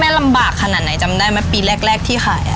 แม้ลำบากขนาดไหนจะจำได้ปีแรกที่ขาย